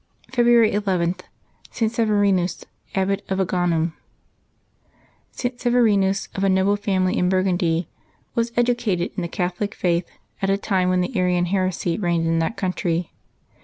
February ii.— ST. SEVERINUS, Abbot of Agaunum. ^T. Severinus, of a noble family in Burgundy, was educated in the Catholic faith, at a time when the Arian heresy reigned in that country.